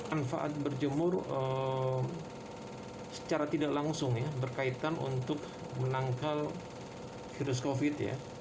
manfaat berjemur secara tidak langsung ya berkaitan untuk menangkal virus covid ya